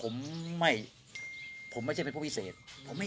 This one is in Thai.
เมื่อไหร่หมอป่าเขาจะมีไหมอันที่ผมบอกแล้วผมไม่